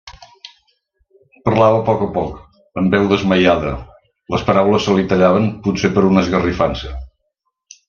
Parlava a poc a poc, amb veu desmaiada; les paraules se li tallaven potser per una esgarrifança.